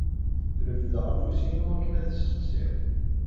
Refdeɣ afus-inu akken ad sseqsiɣ.